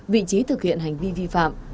vị trí thực hiện hành vi vi phạm